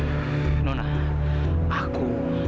aku kerja keras berusaha untuk mengembangkanmu